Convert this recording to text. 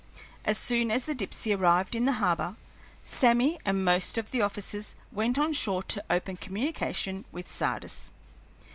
As soon as the Dipsey arrived in the harbor, Sammy and most of the officers went on shore to open communication with Sardis.